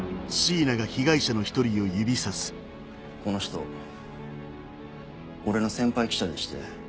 この人俺の先輩記者でして。